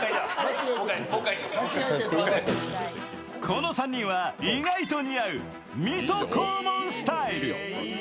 この３人は意外と似合う水戸黄門スタイル。